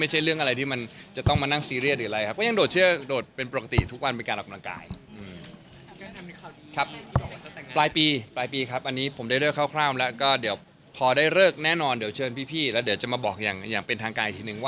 หรือกางเกงอาจจะต้องใส่เป็นกางเกง